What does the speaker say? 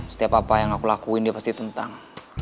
setiap apa yang aku lakuin dia pasti tentang